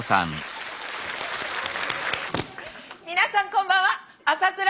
皆さんこんばんは浅倉